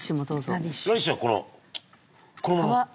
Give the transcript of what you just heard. ラディッシュはこのこのまま？